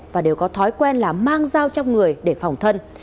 và đều có thói quen là mang dao trong người để phòng thân